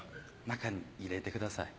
中に入れてください。